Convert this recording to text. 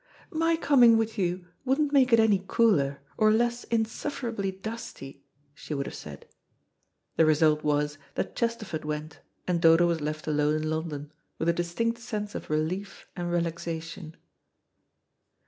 "My coming with you wouldn't make it any cooler, or less insufferably dusty," she would have said. The result was that Chesterford went, and Dodo was left alone' in London, with a distinct sense of relief and relaxation.